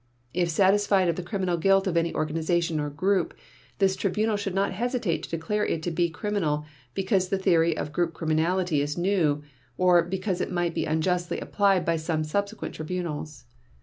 If satisfied of the criminal guilt of any organization or group, this Tribunal should not hesitate to declare it to be criminal because the theory of "group criminality" is new, or because it might be unjustly applied by some subsequent tribunals.